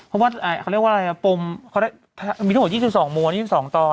เขาเรียกว่าอะไรนะมีทั้งหมด๒๒มวล๒๒ตอน